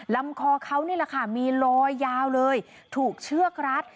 ลำคอเขานี่แหละค่ะมีรอยยาวเลยถูกเชือกรัด